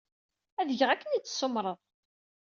Ad geɣ akken ay d-tessumreḍ.